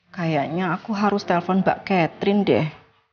kayaknya aku harus telpon mbak catherine deh